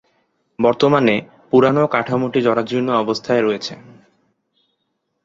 বর্তমানে, পুরানো কাঠামোটি জরাজীর্ণ অবস্থায় রয়েছে।